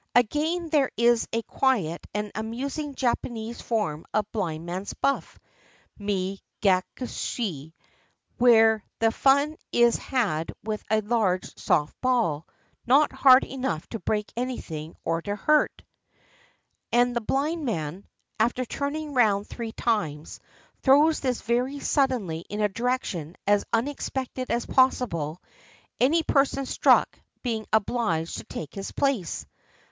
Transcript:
Again, there is a quiet and amusing Japanese form of blind man's buff, me gakushi, where the fun is had with a large soft ball, not hard enough to break anything or to hurt; and the blind man — after turning round three times — throws this very suddenly in a direction as unexpected as possible, any person struck being obliged to take his place.